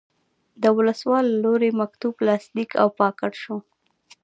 د ولسوال له لوري مکتوب لاسلیک او پاکټ شو.